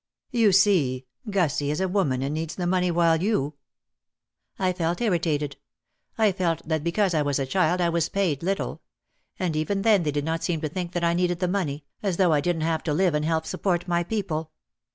"You see, Gussie is a woman and needs the money while you ." I felt irritated. I felt that because I was a child I was paid little. And even then they did not seem to think that I needed the money, as though I didn't have to live and help support my people.